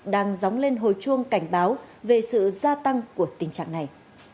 đang dóng lên hồi chuông cảnh báo về sự gia tăng của tình trạng này